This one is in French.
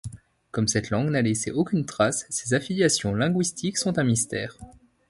Comme cette langue n'a laissé aucune trace, ses affiliations linguistiques sont un mystère.